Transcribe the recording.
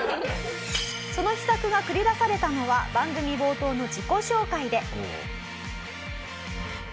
その秘策が繰り出されたのは番組冒頭の自己紹介で。